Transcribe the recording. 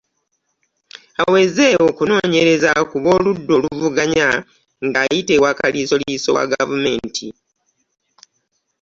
Aweza okunoonyereza ku b'oludda oluvuganya ng'ayita ewa kaliisoliiso wa gavumenti.